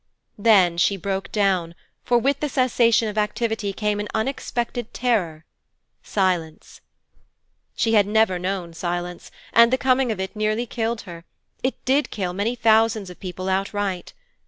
Then she broke down, for with the cessation of activity came an unexpected terror silence. She had never known silence, and the coming of it nearly killed her it did kill many thousands of people outright.